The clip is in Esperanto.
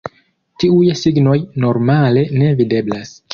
Tiuj signoj normale ne videblas.